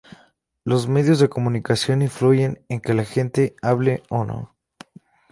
Los medios de comunicación influyen en que la gente hable o no.